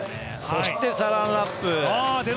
そしてサランラップ。